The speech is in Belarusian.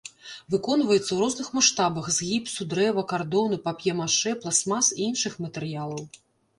Выконваецца ў розных маштабах з гіпсу, дрэва, кардону, пап'е-машэ, пластмас і іншых матэрыялаў.